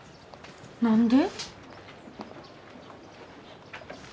何で？